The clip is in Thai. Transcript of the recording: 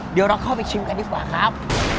เดี๋ยวเราเข้าไปชิมกันดีกว่าครับ